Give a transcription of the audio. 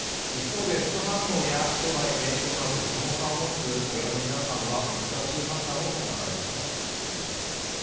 一方で副反応や将来への影響など子供さんを持つ親の皆さんは難しい判断を迫られるかもしれません。